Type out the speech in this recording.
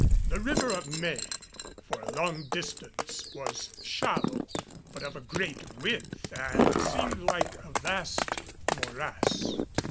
The River of May for a long distance was shallow, but of a great width and seemed like a vast morass.